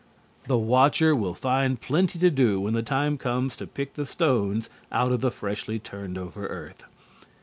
The watcher will find plenty to do when the time comes to pick the stones out of the freshly turned over earth.